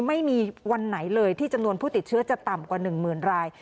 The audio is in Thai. ไม่มีวันไหนเลยที่จำนวนผู้ติดเชื้อจะต่ำกว่า๑๐๐๐ราย